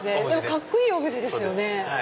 カッコいいオブジェですよね。